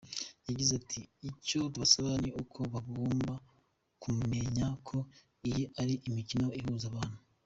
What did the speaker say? Yagize ati “Icyo tubasaba ni uko bagomba kumenya ko iyi ari imikino ihuza abantu.